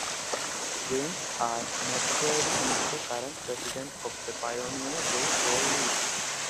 James R. McCurdy is the current president of the Pioneer Baseball League.